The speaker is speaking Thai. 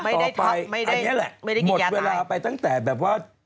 ต่อไปอันนี้แหละหมดเวลาไปตั้งแต่แบบว่า